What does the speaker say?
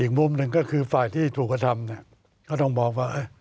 อีกมุมหนึ่งก็คือฝ่ายที่ถูกกระทำก็ต้องมองว่า